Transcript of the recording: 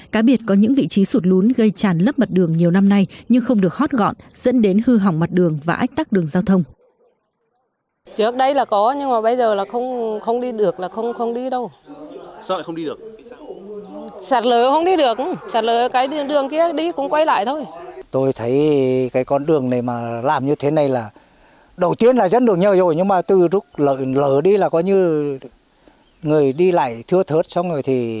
cá biệt có những vị trí sụt lún gây tràn lấp mặt đường nhiều năm nay nhưng không được hót gọn dẫn đến hư hỏng mặt đường và ách tắc đường giao thông